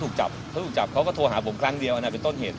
ตั้งแต่เขาถูกจับเขาก็โทรหาผมครั้งเดียวอันนั้นเป็นต้นเหตุเลย